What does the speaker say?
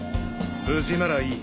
無事ならいい。